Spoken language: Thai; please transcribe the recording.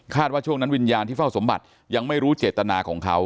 ว่าช่วงนั้นวิญญาณที่เฝ้าสมบัติยังไม่รู้เจตนาของเขา